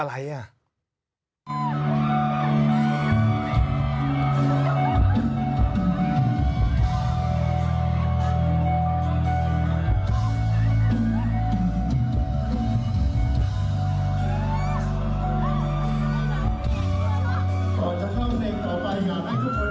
จะให้ทุกคนสาขัยอย่างไงชื่อแล้วคุณผู้ชาย